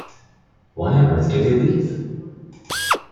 Why on earth did you leave?